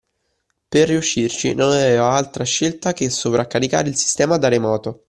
Per riuscirci non aveva altra scelta che sovraccaricare il sistema da remoto.